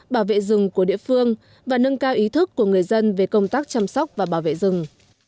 bảo vệ rừng của địa phương và nâng cao ý thức của người dân về công tác chăm sóc và bảo vệ rừng